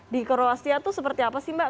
di kroasia itu seperti apa sih mbak